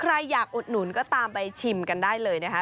ใครอยากอุดหนุนก็ตามไปชิมกันได้เลยนะคะ